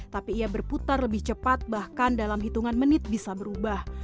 tapi ia berputar lebih cepat bahkan dalam hitungan menit bisa berubah